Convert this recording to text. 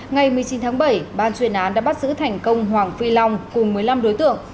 ngày một mươi chín tháng bảy ban chuyên án đã bắt giữ thành công hoàng phi long cùng một mươi năm đối tượng